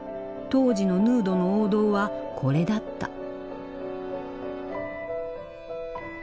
当時のヌードの王道はこれだった。